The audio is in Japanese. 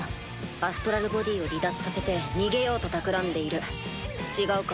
アストラル・ボディを離脱させて逃げようとたくらんでいる違うか？